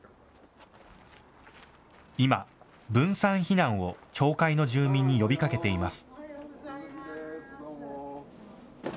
今、分散避難を町会の住民に呼びかけています。